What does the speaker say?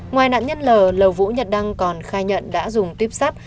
ngoài nạn nhân l lầu vũ nhật đăng còn khai nhận đã dùng tuyếp sát